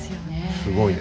すごいね。